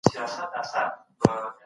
خيانت کول لويه ګناه ده.